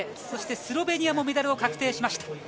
そしてスロベニアもメダル確定しました。